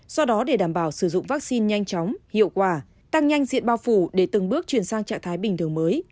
do đó để đảm bảo sử dụng vaccine nhanh chóng hiệu quả tăng nhanh diện bao phủ để từng bước chuyển sang trạng thái bình thường mới